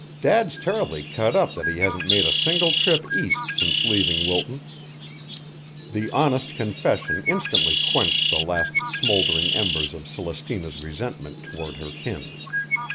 Dad's terribly cut up that he hasn't made a single trip East since leaving Wilton." The honest confession instantly quenched the last smouldering embers of Celestina's resentment toward her kin.